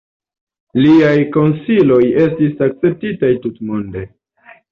Liaj konsiloj estis akceptitaj tutmonde.